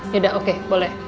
yaudah oke boleh